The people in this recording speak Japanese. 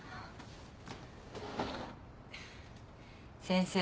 先生